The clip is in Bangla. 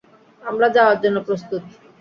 আমরা যাওয়ার জন্য প্রস্তুত।